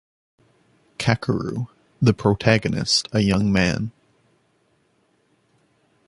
Kakeru : The protagonist, a young man.